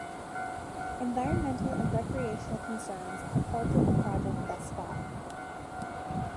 Environmental and recreational concerns have halted the project thus far.